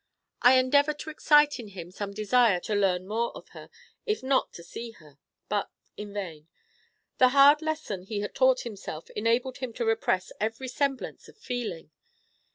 I endeavored to excite in him some desire to learn more of her, if not to see her, but in vain. The hard lesson he had taught himself enabled him to repress every semblance of feeling.